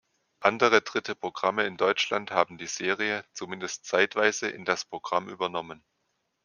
Andere dritte Programme in Deutschland haben die Serie, zumindest zeitweise, in das Programm übernommen.